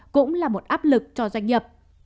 cũng là một áp lực cho doanh nghiệp